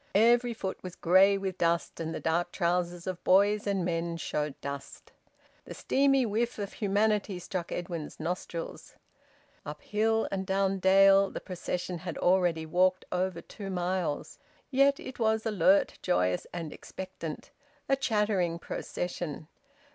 Every foot was grey with dust, and the dark trousers of boys and men showed dust. The steamy whiff of humanity struck Edwin's nostrils. Up hill and down dale the procession had already walked over two miles. Yet it was alert, joyous, and expectant: a chattering procession.